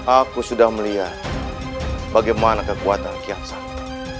aku sudah melihat bagaimana kekuatan kian santang